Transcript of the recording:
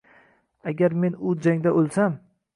Agar men bu jangda o’lsam